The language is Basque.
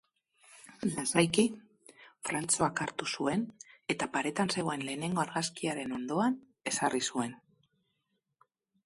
Lasaiki, Frantxoak hartu zuen eta paretan zegoen lehengo argazkiaren ondoan ezarri zuen.